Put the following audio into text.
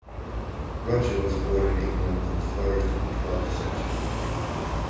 Roger was born in England and flourished in the twelfth century.